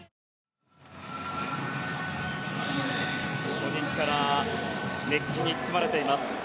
初日から熱気に包まれています。